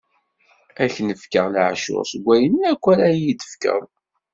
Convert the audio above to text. Ad k-n-fkeɣ leɛcuṛ seg wayen akk ara yi-d-tefkeḍ.